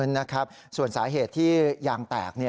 นะครับส่วนสาเหตุที่ยางแตก